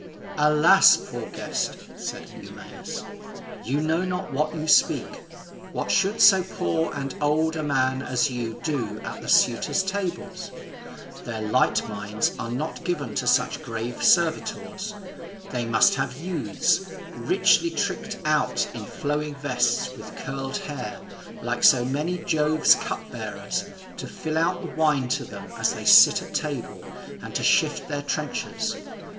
"Alas! poor guest," said Eumaeus, "you know not what you speak. What should so poor and old a man as you do at the suitors' tables? Their light minds are not given to such grave servitors. They must have youths, richly tricked out in flowing vests, with curled hair, like so many of Jove's cupbearers, to fill out the wine to them as they sit at table, and to shift their trenchers.